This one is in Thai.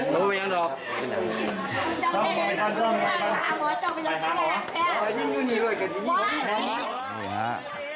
เกลียด